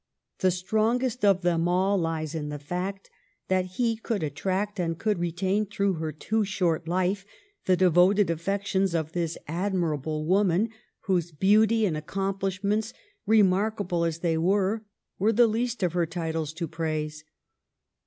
The strongest of them all lies in the fact that he could attract and could retain through her too short life the devoted affections of this admirable woman, whose beauty and accomplishments, re markable as they were, were the least of her titles to praise.